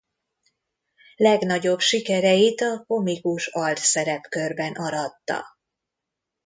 Legnagyobb sikereit a komikus alt szerepkörben aratta.